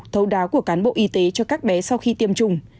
thấu đáo của cán bộ y tế cho các bé sau khi tiêm chủng